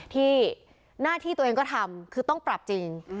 ที่หน้าที่ตัวเองก็ทำคือต้องปรับจริง